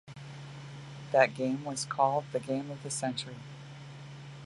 That game was called "The game of the century".